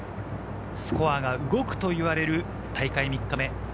スコアが動くと言われる大会３日目。